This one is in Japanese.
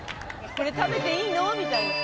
これ食べていいの？みたいな。